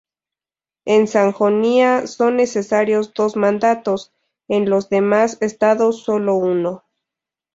En Sajonia son necesarios dos mandatos, en los demás estados solo uno.